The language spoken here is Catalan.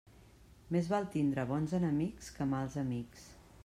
Més val tindre bons enemics que mals amics.